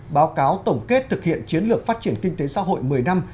báo cáo tổng kết thực hiện chiến lược phát triển kinh tế xã hội một mươi năm